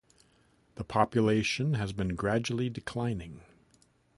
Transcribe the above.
The population has been gradually declining.